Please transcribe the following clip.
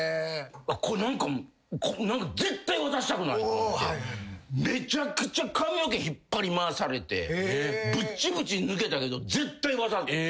何か絶対渡したくないっていうてめちゃくちゃ髪の毛引っ張り回されてぶっちぶち抜けたけど絶対渡せへんかった。